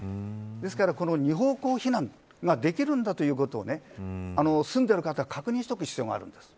ですから２方向避難ができるんだということを住んでいる方は確認しておく必要があります。